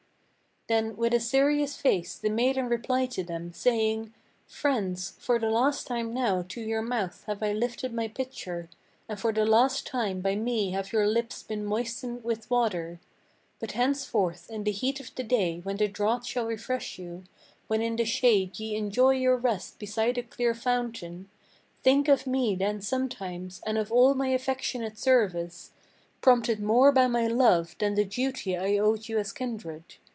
Then with a serious face the maiden replied to them, saying: "Friends, for the last time now to your mouth have I lifted my pitcher; And for the last time by me have your lips been moistened with water. But henceforth in the heat of the day when the draught shall refresh you, When in the shade ye enjoy your rest beside a clear fountain, Think of me then sometimes and of all my affectionate service, Prompted more by my love than the duty I owed you as kindred.